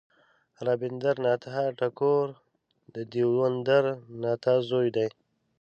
رابندر ناته ټاګور د دیو ندر ناته زوی دی.